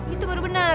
itu baru bener